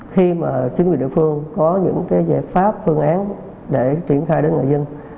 khi mà chính quyền địa phương có những cái giải pháp phương án để triển khai đến người dân